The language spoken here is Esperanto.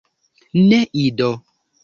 Ne, Ido!